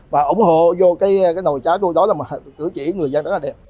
và ủng hộ vô cái nồi trái đuôi đó là cử chỉ người dân rất là đẹp